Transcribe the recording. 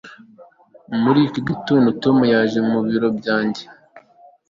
muri iki gitondo, tom yaje mu biro byanjye